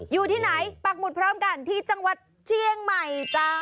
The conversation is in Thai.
อยู่ที่ไหนปักหมุดพร้อมกันที่จังหวัดเชียงใหม่จ้า